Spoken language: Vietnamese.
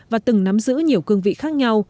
và từng nắm giữ nhiều cương vị khác nhau